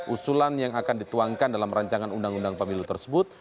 usulan yang akan dituangkan dalam rancangan undang undang pemilu tersebut